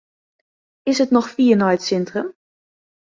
Is it noch fier nei it sintrum?